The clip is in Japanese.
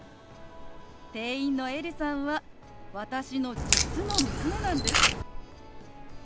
店員のエリさんは私の実の娘なんです。